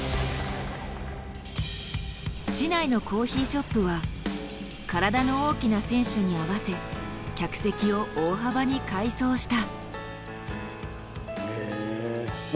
市内のコーヒーショップは体の大きな選手に合わせ客席を大幅に改装した。